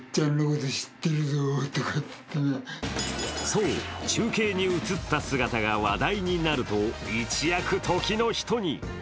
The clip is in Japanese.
そう、中継に映った姿が話題になると、一躍時の人に。